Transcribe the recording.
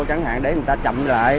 chẳng hạn để người ta chậm lại